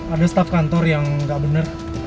ada staff kantor yang gak bener